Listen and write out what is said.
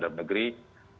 melakukan peneloran tersebut